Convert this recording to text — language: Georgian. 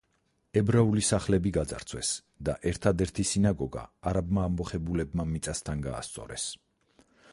ებრაული სახლები გაძარცვეს და ერთადერთი სინაგოგა არაბმა ამბოხებულებმა მიწასთან გაასწორეს.